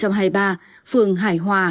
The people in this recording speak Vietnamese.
hai nghìn hai mươi ba phường hải hòa